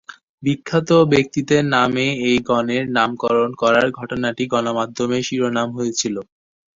বিখ্যাত ব্যক্তিদের নামে এই গণের নামকরণ করার ঘটনাটি গণমাধ্যমে শিরোনাম হয়েছিল।